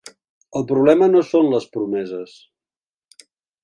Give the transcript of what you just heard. El problema no són les promeses.